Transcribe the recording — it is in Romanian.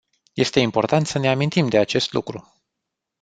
Este important să ne amintim de acest lucru.